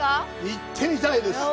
行ってみたいです。